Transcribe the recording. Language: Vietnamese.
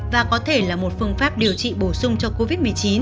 và có thể là một phương pháp điều trị bổ sung cho covid một mươi chín